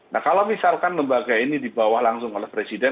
nah kalau misalkan lembaga ini dibawa langsung oleh presiden